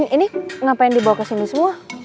ini ngapain dibawa kesini semua